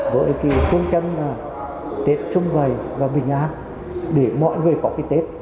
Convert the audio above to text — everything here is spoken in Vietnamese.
với cái phương chân là tết trung vầy và bình an để mọi người có cái tết